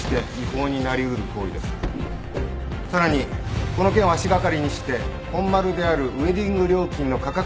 さらにこの件を足掛かりにして本丸であるウエディング料金の価格